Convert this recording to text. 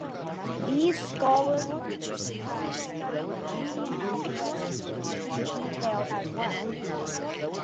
These scholars must have studied the Indian alphabets in detail as well.